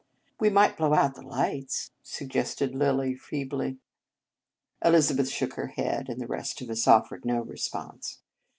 " We might blow out the lights," suggested Lilly feebly. Elizabeth shook her head, and the rest of us offered no response.